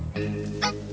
keh gini ya